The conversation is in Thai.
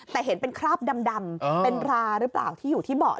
แต่เห็นเป็นคราบดำเป็นราหรือเปล่าที่อยู่ที่เบาะ